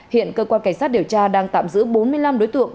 hiện cơ quan cảnh sát điều tra đang tạm giữ bốn mươi năm đối tượng